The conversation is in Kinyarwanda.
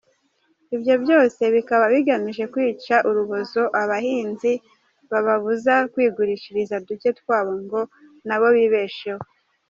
Ibyo byose bikaba bigamije kwica urubozo abahinzi bababuza kwigurishiriza duke twabo ngo nabo bibesheho.